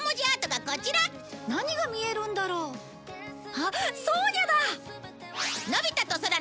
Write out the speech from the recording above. あっソーニャだ！